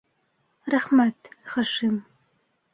Рәхмәт, Хашим...